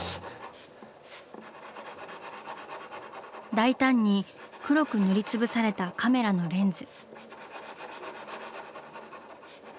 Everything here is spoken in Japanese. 大胆に黒く塗りつぶされたカメラのレンズ。